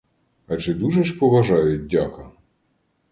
А чи дуже ж поважають дяка?